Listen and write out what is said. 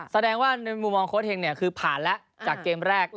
แสดงว่าในมุมมองโค้ดเฮงคือผ่านแล้วจากเกมแรก